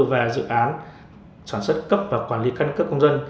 và dự án sản xuất cấp và quản lý căn cấp công dân